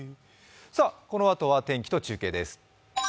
さあ、このあとは天気と中継です。